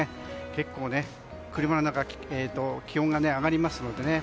結構、車の中気温が上がりますのでね。